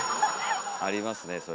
ありますね